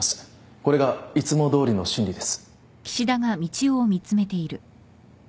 これがいつもどおりの審理です。